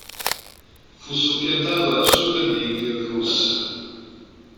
Fu soppiantato dalla Superleague russa.